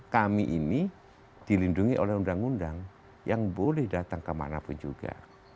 kami ini dilindungi oleh undang undang yang boleh datang kemanapun juga